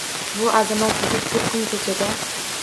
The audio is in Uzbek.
Bu azamat yigit bir kun ko'chada